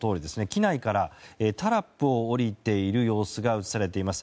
機内からタラップを降りている様子が映されています。